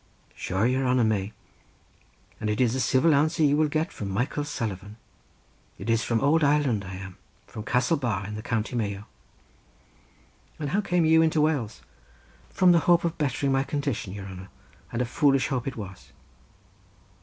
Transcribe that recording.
"Sure your hanner may; and it is a civil answer you will get from Michael Sullivan. It is from ould Ireland I am, from Castlebar in the county Mayo." "And how came you into Wales?" "From the hope of bettering my condition, your hanner, and a foolish hope it was."